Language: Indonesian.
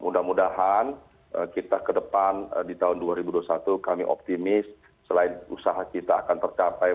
mudah mudahan kita ke depan di tahun dua ribu dua puluh satu kami optimis selain usaha kita akan tercapai